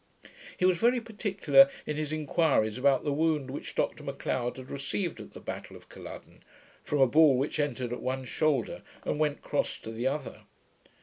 He was very particular in his inquiries about the wound which Dr Macleod had received at the battle of Culloden, from a ball which entered at one shoulder, and went cross to the other.